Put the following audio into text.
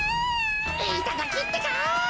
いただきってか。